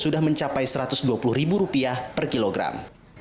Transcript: sudah mencapai rp satu ratus dua puluh per kilogram